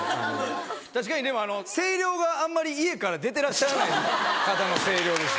確かに声量があんまり家から出てらっしゃらない方の声量です。